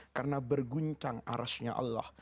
karena berguncang arasnya allah